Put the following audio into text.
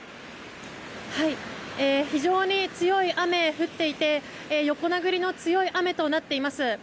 非常に強い雨が降っていて横殴りの強い雨となっています。